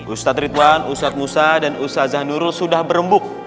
ustadz ridwan ustadz musa dan usa zahnurul sudah berembuk